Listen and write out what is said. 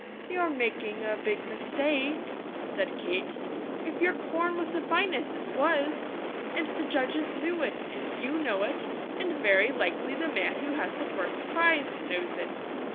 "You're making a big mistake," said Kate. "If your corn was the finest, it was, and the judges knew it, and you know it, and very likely the man who has the first prize, knows it.